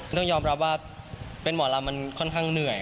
ต้องยอมรับว่าเป็นหมอลำมันค่อนข้างเหนื่อย